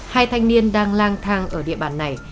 hai thanh niên đang lang thang ở địa bàn này